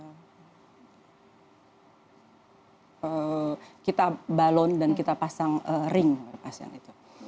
nah kita balon dan kita pasang ring pasien itu